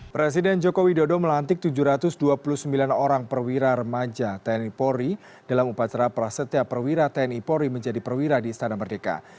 presiden joko widodo melantik tujuh ratus dua puluh sembilan orang perwira remaja tni polri dalam upacara prasetya perwira tni polri menjadi perwira di istana merdeka